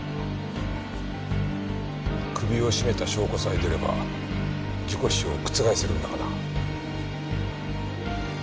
首を絞めた証拠さえ出れば事故死を覆せるんだがな。